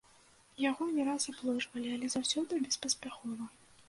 Яго не раз абложвалі, але заўсёды беспаспяхова.